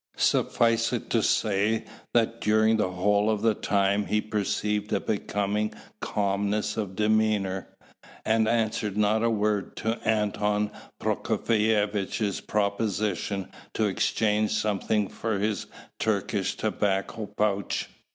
Suffice it to say, that during the whole of the time he preserved a becoming calmness of demeanour, and answered not a word to Anton Prokofievitch's proposition to exchange something for his Turkish tobacco pouch.